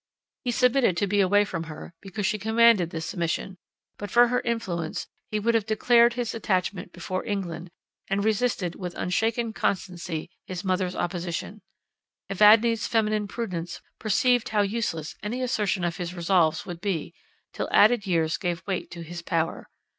He submitted to be away from her, because she commanded this submission; but for her influence, he would have declared his attachment before all England, and resisted, with unshaken constancy, his mother's opposition. Evadne's feminine prudence perceived how useless any assertion of his resolves would be, till added years gave weight to his power.